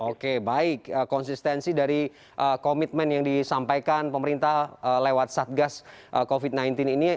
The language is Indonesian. oke baik konsistensi dari komitmen yang disampaikan pemerintah lewat satgas covid sembilan belas ini